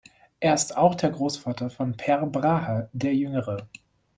Er ist auch der Großvater von Per Brahe der Jüngere.